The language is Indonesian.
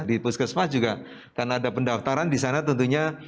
di puskesmas juga karena ada pendaftaran di sana tentunya